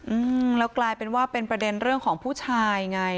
อืมแล้วกลายเป็นว่าเป็นประเด็นเรื่องของผู้ชายไง